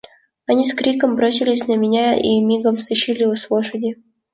Они с криком бросились на меня и мигом стащили с лошади.